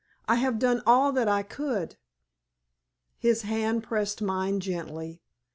I have done all that I could!" His hand pressed mine gently.